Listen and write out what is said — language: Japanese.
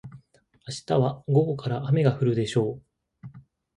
明日は午後から雨が降るでしょう。